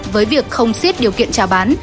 với việc không xiết điều kiện trào bán